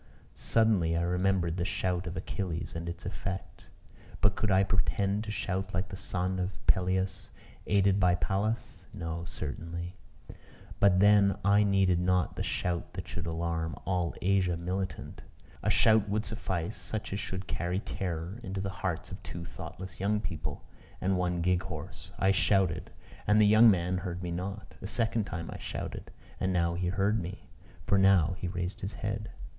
Suddenly I remembered the shout of Achilles, and its effect. But could I pretend to shout like the son of Peleus, aided by Pallas? No, certainly: but then I needed not the shout that should alarm all Asia militant; a shout would suffice, such as should carry terror into the hearts of two thoughtless young people, and one gig horse. I shouted and the young man heard me not. A second time I shouted and now he heard me, for now he raised his head.